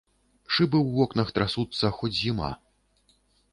Шыбы ў вокнах трасуцца, хоць зіма.